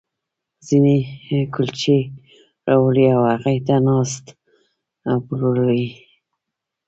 ځينې کُلچې راوړي او هغې ته ناست، پلورل یې.